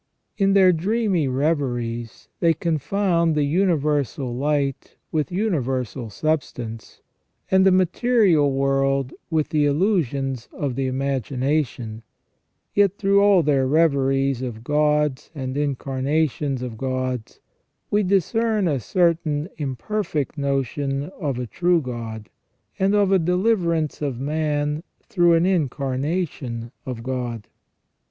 In their dreamy reveries they confound the universal light with universal substance, and the material world with the illusions of the imagi nation ; yet through all their reveries of gods and incarnations of gods we discern a certain imperfect notion of a true God, and of a deliverance of man through an Incarnation of God.